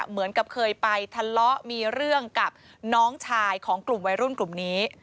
เหมือนกับเคยไปทะเลาะมีเรื่องกับน้องชายของกลุ่มวัยรุ่นกลุ่มนี้